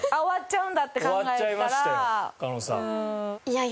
うん。